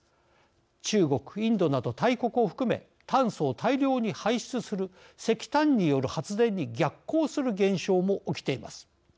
中国、インドなど大国を含め炭素を大量に排出する石炭による発電に逆行する現象も起きています。